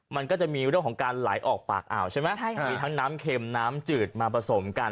มันก็จะมีเรื่องของการไหลออกปากอ่าวใช่ไหมใช่ค่ะมีทั้งน้ำเค็มน้ำจืดมาผสมกัน